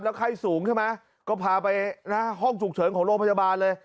ไข้สูงใช่ไหมก็พาไปนะห้องฉุกเฉินของโรงพยาบาลเลย